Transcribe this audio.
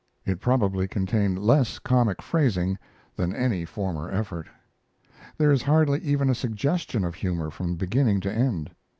It probably contained less comic phrasing than any former effort. There is hardly even a suggestion of humor from beginning to end.